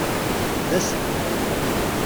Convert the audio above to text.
D aselmad.